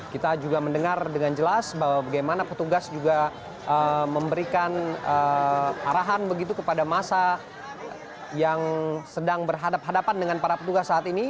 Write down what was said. kita juga mendengar dengan jelas bahwa bagaimana petugas juga memberikan arahan begitu kepada masa yang sedang berhadapan hadapan dengan para petugas saat ini